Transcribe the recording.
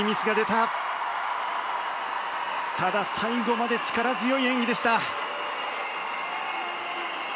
ただ、最後まで力強い演技でした。